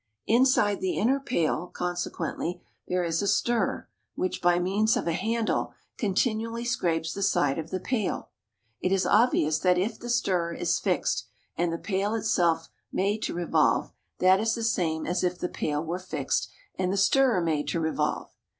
Inside the inner pail, consequently, there is a stirrer, which, by means of a handle, continually scrapes the side of the pail. It is obvious that if the stirrer is fixed, and the pail itself made to revolve, that is the same as if the pail were fixed and the stirrer made to revolve.